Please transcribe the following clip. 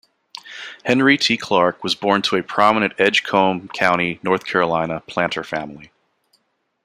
Henry T. Clark was born to a prominent Edgecombe County, North Carolina, planter family.